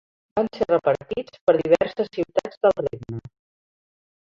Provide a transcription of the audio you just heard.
Van ser repartits per diverses ciutats del regne.